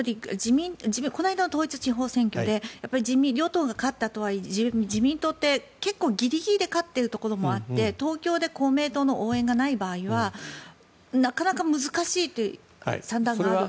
こないだは統一地方選挙で与党が勝ったとはいえ自民党は結構、ぎりぎりで勝っているところがあって東京で公明党の応援がない場合はなかなか難しいという算段があるからですか。